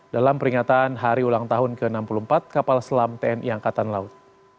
dalam peringatan hari ulang tahun ke enam puluh empat kapal selam tni angkatan laut